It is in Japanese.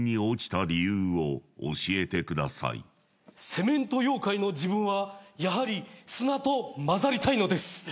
セメント妖怪の自分はやはり砂とまざりたいのです。